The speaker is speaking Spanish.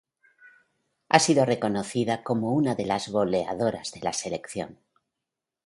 Ha sido reconocida como una de las "goleadoras" de la selección.